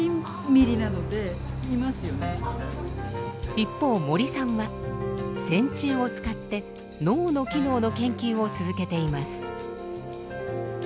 一方森さんは線虫を使って脳の機能の研究を続けています。